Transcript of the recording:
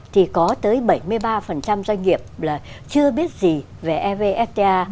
thì có tới bảy mươi ba doanh nghiệp là chưa biết gì về evfta